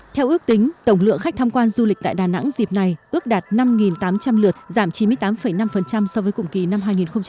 theo ước tính tổng lượng khách tham quan du lịch tại đà nẵng dịp này ước đạt năm tám trăm linh lượt giảm chín mươi tám năm so với cùng kỳ năm hai nghìn một mươi tám